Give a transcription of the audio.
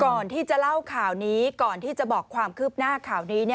ก่อนที่จะเล่าข่าวนี้ก่อนที่จะบอกความคืบหน้าข่าวนี้